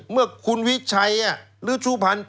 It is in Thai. เมื่อคุณวิชัยฤ้ชุภัณฑ์